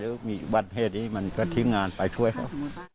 หรือมีอุบัติเหตุนี้มันก็ทิ้งงานไปช่วยเขา